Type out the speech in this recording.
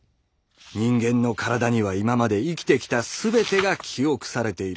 人間の体には今まで生きてきた全てが記憶されている。